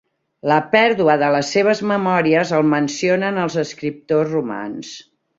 La pèrdua de les seves memòries el mencionen els escriptors romans.